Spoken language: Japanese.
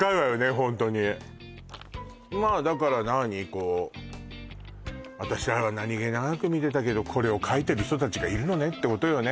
ホントにまあだから何私らは何気なく見てたけどこれをかいてる人達がいるのねってことよね